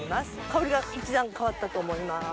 香りが一段変わったと思います。